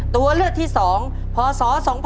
ตัวเลือกที่๒พศ๒๕๖